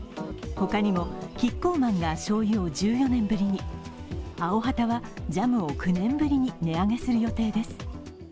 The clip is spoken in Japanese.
他にも、キッコーマンがしょうゆを１４年ぶりに、アヲハタは、ジャムを９年ぶりに値上げする予定です。